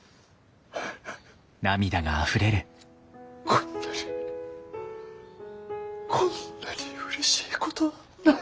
こんなにこんなにうれしいことはない。